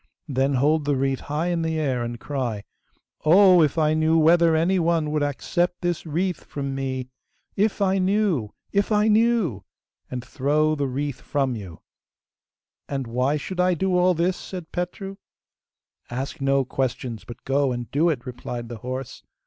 Then hold the wreath high in the air and cry, "Oh! if I knew whether any one would accept this wreath from me... if I knew! if I knew!" and throw the wreath from you!' 'And why should I do all this?' said Petru. 'Ask no questions, but go and do it,' replied the horse.